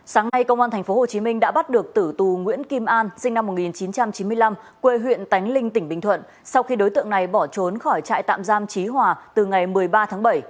sáng nay công an tp hcm đã bắt được tử tù nguyễn kim an sinh năm một nghìn chín trăm chín mươi năm quê huyện tánh linh tỉnh bình thuận sau khi đối tượng này bỏ trốn khỏi trại tạm giam trí hòa từ ngày một mươi ba tháng bảy